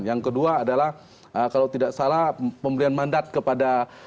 yang kedua adalah kalau tidak salah pemberian mandat kepada